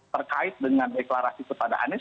terkait dengan deklarasi kepada anies